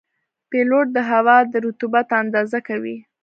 پیلوټ د هوا د رطوبت اندازه کوي.